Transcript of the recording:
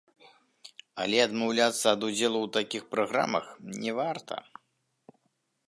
Але адмаўляцца ад удзелу ў такіх праграмах не варта.